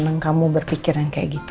senang kamu berpikiran seperti itu